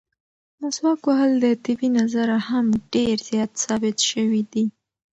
مسواک وهل د طبي نظره هم ډېر زیات ثابت شوي دي.